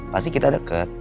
pasti kita deket